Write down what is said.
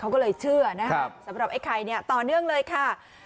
เขาก็เลยเชื่อนะครับสำหรับไอ้ไข่เนี่ยต่อเนื่องเลยค่ะ